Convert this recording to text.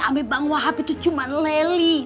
ama bang wahab itu cuma leli